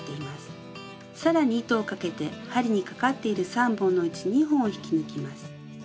更に糸をかけて針にかかっている３本のうち２本を引き抜きます。